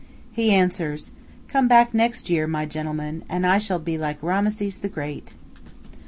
He answers, "Come back next year, my gentleman, and I shall be like Rameses the Great."